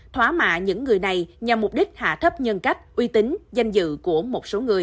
thóa mạ những người này nhằm mục đích hạ thấp nhân cách uy tín danh dự của một số người